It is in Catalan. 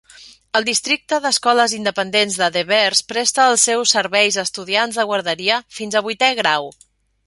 El districte d'escoles independents de Devers presta els seus serveis a estudiants de guarderia fins a vuitè grau.